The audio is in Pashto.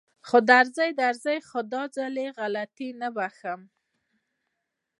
خو درځي درځي دا ځل غلطي نه بښم.